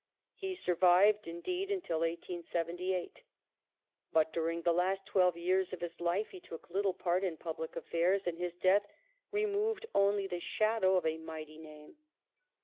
He survived, indeed, until 1878, but ^"ssell during the last twelve years of his life he took little part in public affairs, and his death removed only the shadow of a mighty name.